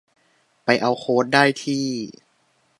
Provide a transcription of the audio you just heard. ไปเอาโค้ดได้ที่